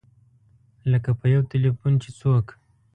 لکه په یو ټیلفون چې څوک.